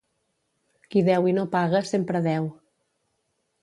Qui deu i no paga, sempre deu.